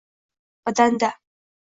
Badanda?